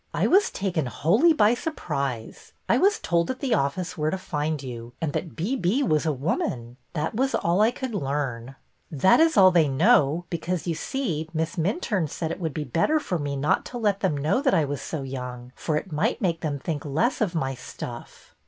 I was taken wholly by surprise. I was told at the office where to find you, and that ' B. B.' was a woman. That was all I could learn." '' That is all they know, because, you see. Miss Minturne said it would be better for me not to let them know that I was so young, for it might make them think less of my stuff."